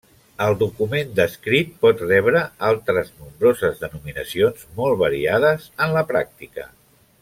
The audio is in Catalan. El document descrit pot rebre altres nombroses denominacions molt variades en la pràctica.